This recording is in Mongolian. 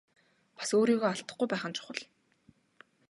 Бас өөрийгөө алдахгүй байх нь чухал.